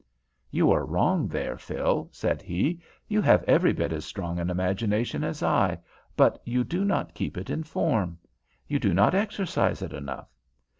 "You are wrong there, Phil," said he. "You have every bit as strong an imagination as I, but you do not keep it in form. You do not exercise it enough.